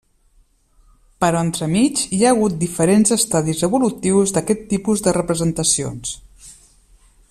Però entremig hi ha hagut diferents estadis evolutius d'aquest tipus de representacions.